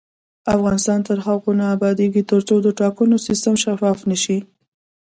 افغانستان تر هغو نه ابادیږي، ترڅو د ټاکنو سیستم شفاف نشي.